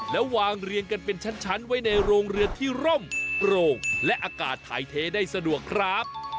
แล้ววางเรียงกันเป็นชั้นไว้ในโรงเรือนที่ร่มโปร่งและอากาศถ่ายเทได้สะดวกครับ